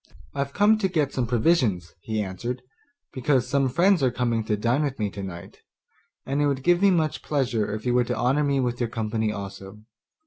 'I've come to get some provisions,' he answered, 'because some friends are coming to dine with me today, and it would give me much pleasure if you were to honour me with your company also.